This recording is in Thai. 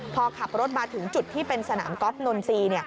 พอขับรถมาถึงจุดที่เป็นสนามกอล์บนนนทรีย์